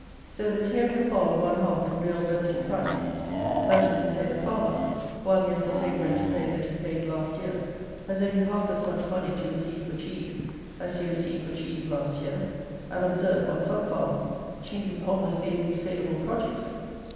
So that, here is a fall of one half in real relative price; that is to say, the farmer, while he has the same rent to pay that he paid last year, has only half as much money to receive for cheese, as he received for cheese last year; and observe, on some farms, cheese is almost the only saleable produce.